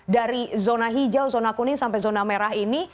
dari zona hijau zona kuning sampai zona merah ini